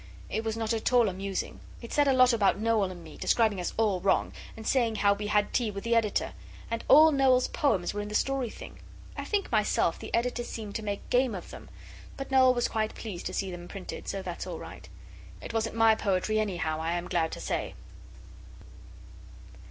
It was not at all amusing. It said a lot about Noel and me, describing us all wrong, and saying how we had tea with the Editor; and all Noel's poems were in the story thing. I think myself the Editor seemed to make game of them, but Noel was quite pleased to see them printed so that's all right. It wasn't my poetry anyhow, I am glad to say.